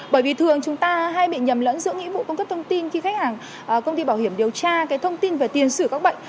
bởi vì thường chúng ta hay bị nhầm lẫn giữa nghĩa vụ cung cấp thông tin khi khách hàng công ty bảo hiểm điều tra thông tin về tiền sử các bệnh